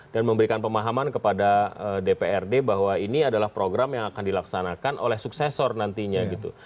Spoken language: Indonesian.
memberikan pemahaman kepada dprd bahwa ini adalah program yang akan dilaksanakan oleh suksesor nantinya gitu